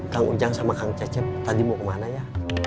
kang ujang sama kang cecep tadi mau kemana ya